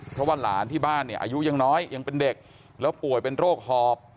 เพราะว่าหลานที่บ้านเนี่ยอายุยังน้อยยังเป็นเด็กแล้วป่วยเป็นโรคหอบ